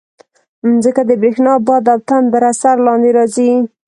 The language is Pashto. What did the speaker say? مځکه د برېښنا، باد او تندر اثر لاندې راځي.